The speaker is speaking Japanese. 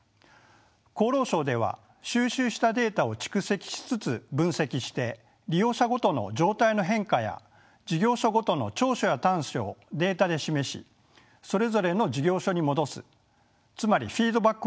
厚労省では収集したデータを蓄積しつつ分析して利用者ごとの状態の変化や事業所ごとの長所や短所をデータで示しそれぞれの事業所に戻すつまりフィードバックをします。